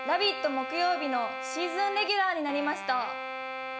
木曜日のシーズンレギュラーになりました。